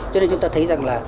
cho nên chúng ta thấy rằng là